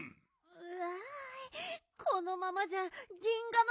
うわ！